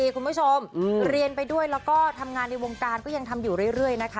คุณผู้ชมเรียนไปด้วยแล้วก็ทำงานในวงการก็ยังทำอยู่เรื่อยนะคะ